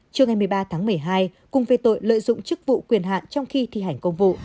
trưa ngày một mươi ba tháng một mươi hai cùng về tội lợi dụng chức vụ quyền hạn trong khi thi hành công vụ